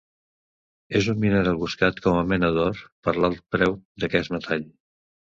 És un mineral buscat com a mena d'or, per l'alt preu d'aquest metall.